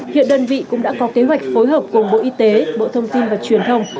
hiện đơn vị cũng đã có kế hoạch phối hợp cùng bộ y tế bộ thông tin và truyền thông